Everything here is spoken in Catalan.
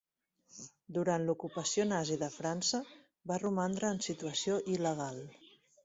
Durant l'ocupació nazi de França va romandre en situació il·legal.